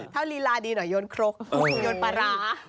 ถ้าลีลาดีหน่อยโยนครกโยนปลาร้า